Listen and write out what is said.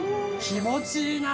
気持ちいいな！